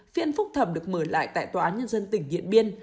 phiên phúc thẩm được mở lại tại tòa án nhân dân tỉnh điện biên